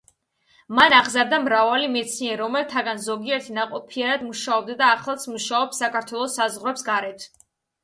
მან აღზარდა მრავალი მეცნიერი, რომელთაგან ზოგიერთი ნაყოფიერად მუშაობდა და ახლაც მუშაობს საქართველოს საზღვრებს გარეთ.